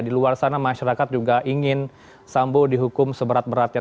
di luar sana masyarakat juga ingin sambo dihukum seberat beratnya